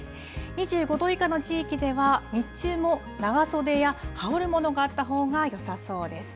２５度以下の地域では、日中も長袖や羽織るものがあったほうがよさそうです。